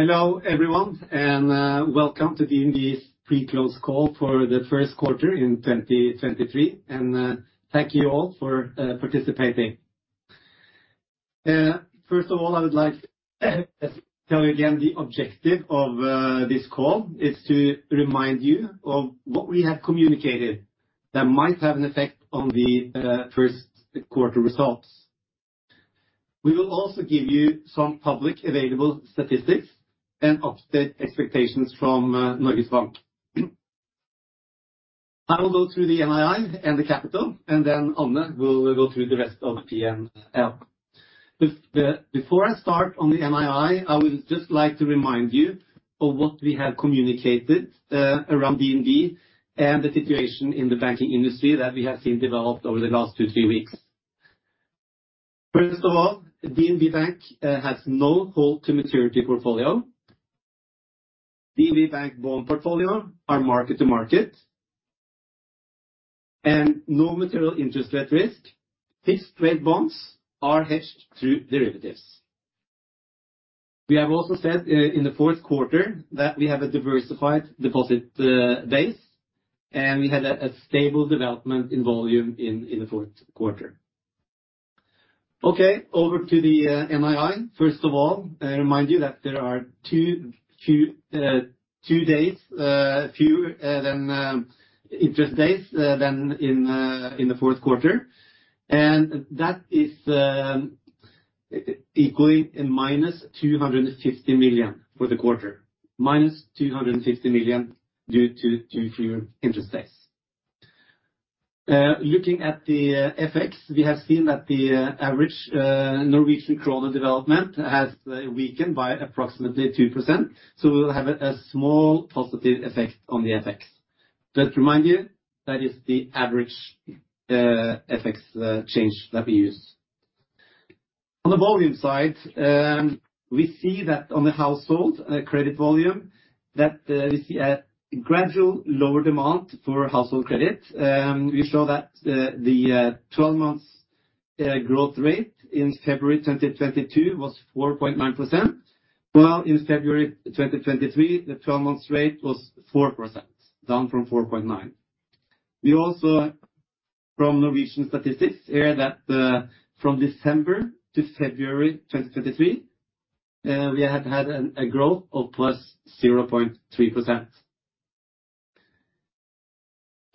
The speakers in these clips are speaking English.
Hello everyone, welcome to DNB's pre-close call for the first quarter in 2023. Thank you all for participating. First of all, I would like tell you again the objective of this call is to remind you of what we have communicated that might have an effect on the first quarter results. We will also give you some public available statistics and update expectations from Norges Bank. I will go through the NII and the capital, then Anne will go through the rest of the P&L. Before I start on the NII, I would just like to remind you of what we have communicated around DNB and the situation in the banking industry that we have seen developed over the last two, three weeks. First of all, DNB Bank has no held-to-maturity portfolio. DNB Bank bond portfolio are mark-to-market. No material interest rate risk. Fixed rate bonds are hedged through derivatives. We have also said in the fourth quarter that we have a diversified deposit base, and we had a stable development in volume in the fourth quarter. Over to the NII. First of all, I remind you that there are two days fewer than interest days than in the fourth quarter. That is equaling in minus 250 million for the quarter. Minus 250 million due to fewer interest days. Looking at the FX, we have seen that the average Norwegian krone development has weakened by approximately 2%, so we'll have a small positive effect on the FX. Just remind you, that is the average FX change that we use. On the volume side, we see that on the household credit volume, that we see a gradual lower demand for household credit. We saw that the 12 months growth rate in February 2022 was 4.9%, while in February 2023, the 12 months rate was 4%, down from 4.9. We also from Statistics Norway hear that from December to February 2023, we have had a growth of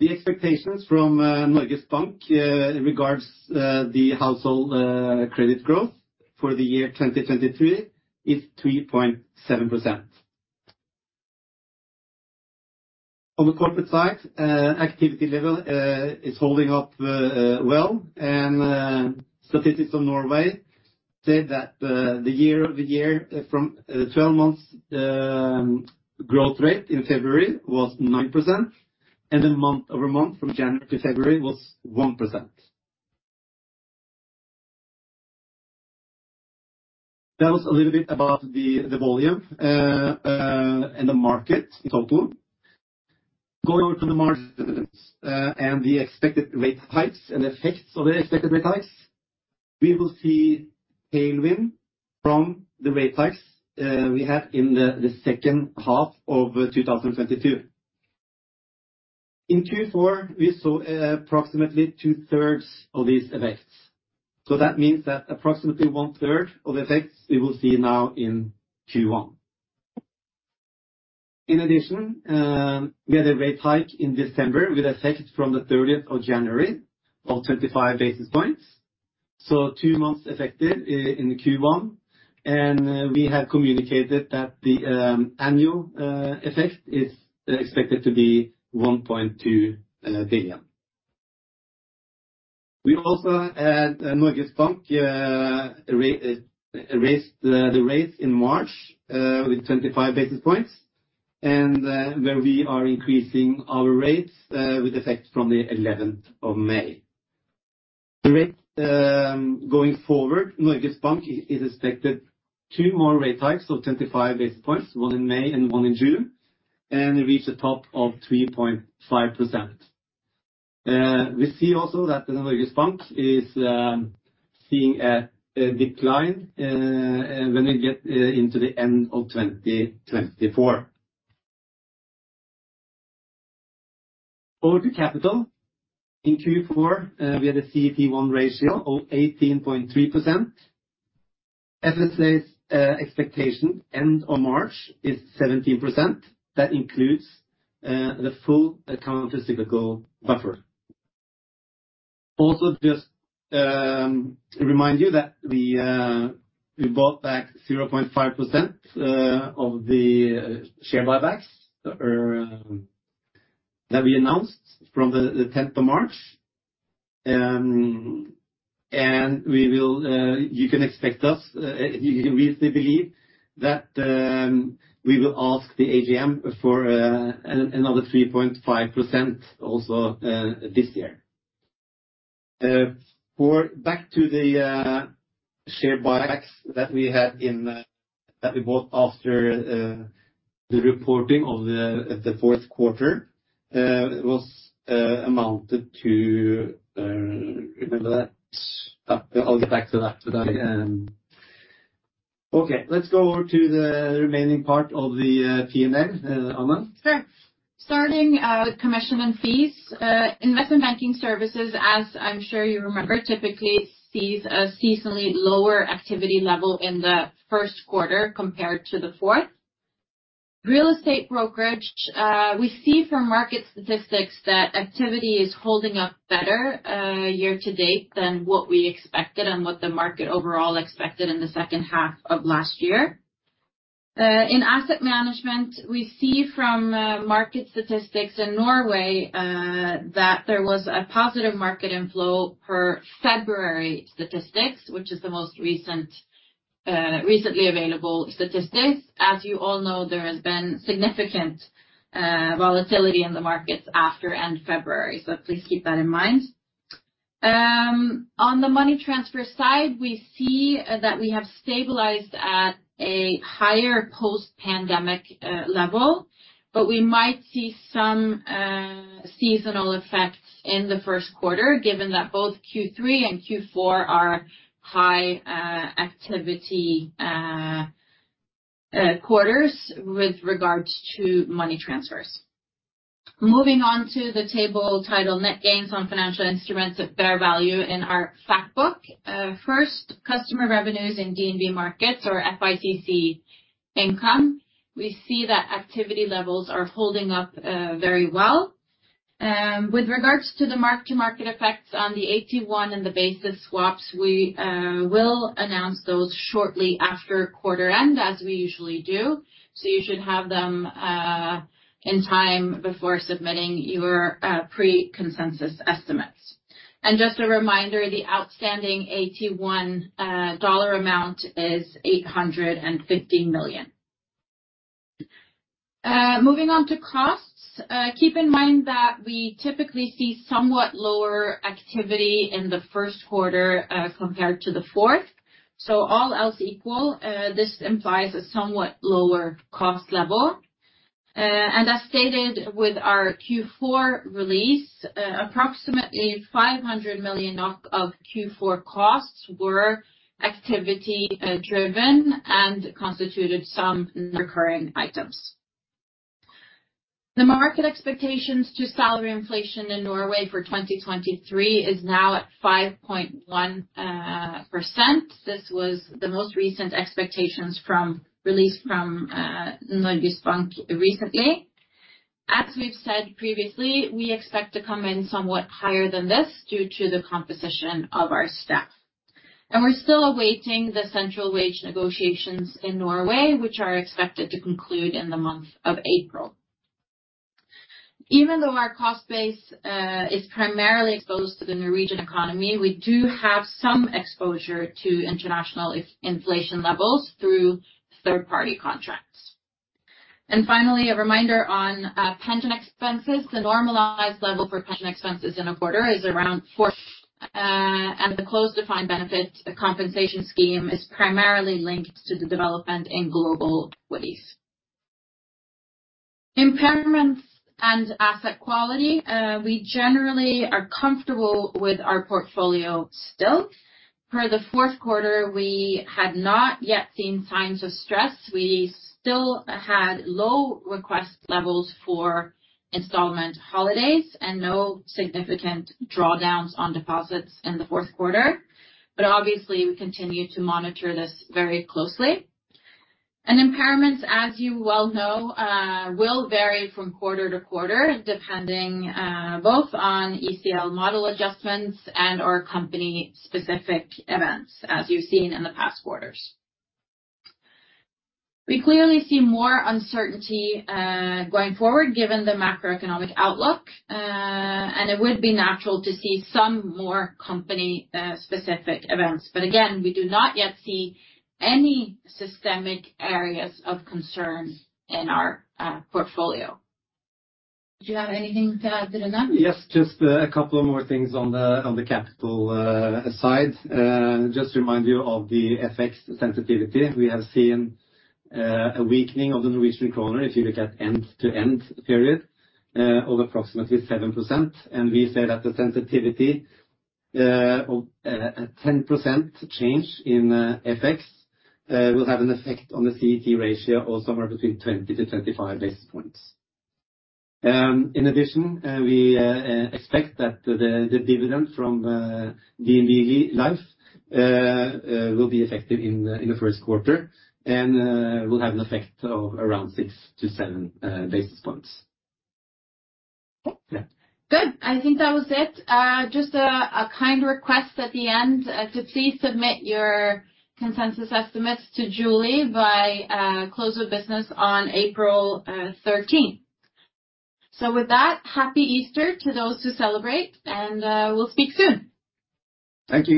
+0.3%. The expectations from Norges Bank in regards the household credit growth for the year 2023 is 3.7%. On the corporate side, activity level is holding up well, and Statistics Norway said that the year-over-year from 12 months growth rate in February was 9%, and the month-over-month from January to February was 1%. That was a little bit about the volume and the market in total. Going over to the margins and the expected rate hikes and effects of the expected rate hikes, we will see tailwind from the rate hikes we had in the second half of 2022. In Q4, we saw approximately two-thirds of these effects. That means that approximately one-third of effects we will see now in Q1. In addition, we had a rate hike in December with effect from the 30th of January of 25 basis points. Two months affected in the Q1, we have communicated that the annual effect is expected to be 1.2 billion. We also at Norges Bank raised the rates in March with 25 basis points, where we are increasing our rates with effect from the 11th of May. The rate going forward, Norges Bank is expected 2 more rate hikes of 25 basis points, one in May and one in June, and reach a top of 3.5%. We see also that the Norges Bank is seeing a decline when we get into the end of 2024. Over to capital. In Q4, we had a CET1 ratio of 18.3%. FSA's expectation end of March is 17%. That includes the full countercyclical buffer. Just remind you that we bought back 0.5% of the share buybacks or that we announced from the tenth of March. We will, you can expect us, we believe that we will ask the AGM for another 3.5% also this year. For back to the share buybacks that we had in that we bought after the reporting of the fourth quarter, it was amounted to. Yeah, I'll get back to that today. Okay, let's go over to the remaining part of the P&L, Anne. Sure. Starting out commission and fees. Investment banking services, as I'm sure you remember, typically sees a seasonally lower activity level in the 1st quarter compared to the 4th. Real estate brokerage, we see from market statistics that activity is holding up better, year to date than what we expected and what the market overall expected in the 2nd half of last year. In asset management, we see from market statistics in Norway, that there was a positive market inflow per February statistics, which is the most recent, recently available statistics. As you all know, there has been significant volatility in the markets after end February. Please keep that in mind. On the money transfer side, we see that we have stabilized at a higher post-pandemic level, but we might see some seasonal effects in the first quarter, given that both Q3 and Q4 are high activity quarters with regards to money transfers. Moving on to the table title, net gains on financial instruments at fair value in our fact book. First, customer revenues in DNB Markets or FICC income, we see that activity levels are holding up very well. With regards to the mark-to-market effects on the AT1 and the basis swaps, we will announce those shortly after quarter end, as we usually do, so you should have them in time before submitting your pre-consensus estimates. Just a reminder, the outstanding AT1 dollar amount is $850 million. Moving on to costs, keep in mind that we typically see somewhat lower activity in the first quarter, compared to the fourth. All else equal, this implies a somewhat lower cost level. As stated with our Q4 release, approximately 500 million of Q4 costs were activity driven and constituted some recurring items. The market expectations to salary inflation in Norway for 2023 is now at 5.1%. This was the most recent release from Norges Bank recently. As we've said previously, we expect to come in somewhat higher than this due to the composition of our staff. We're still awaiting the central wage negotiations in Norway, which are expected to conclude in the month of April. Even though our cost base is primarily exposed to the Norwegian economy, we do have some exposure to international inflation levels through third-party contracts. Finally, a reminder on pension expenses. The normalized level for pension expenses in a quarter is around 4, the closed defined benefit compensation scheme is primarily linked to the development in global equities. Impairments and asset quality. We generally are comfortable with our portfolio still. For the fourth quarter, we had not yet seen signs of stress. We still had low request levels for installment holidays and no significant drawdowns on deposits in the fourth quarter. Obviously, we continue to monitor this very closely. Impairments, as you well know, will vary from quarter to quarter, depending both on ECL model adjustments and/or company specific events, as you've seen in the past quarters. We clearly see more uncertainty, going forward, given the macroeconomic outlook, and it would be natural to see some more company, specific events. Again, we do not yet see any systemic areas of concern in our, portfolio. Do you have anything to add to that? Yes, just a couple of more things on the, on the capital side. Just remind you of the FX sensitivity. We have seen a weakening of the Norwegian kroner, if you look at end-to-end period, of approximately 7%. We say that the sensitivity of 10% change in FX will have an effect on the CET ratio of somewhere between 20-25 basis points. In addition, we expect that the dividend from DNB Life will be effective in the first quarter and will have an effect of around 6-7 basis points. Good. I think that was it. just a kind request at the end, to please submit your consensus estimates to Julie by, close of business on April 13th. With that, Happy Easter to those who celebrate, and, we'll speak soon. Thank you.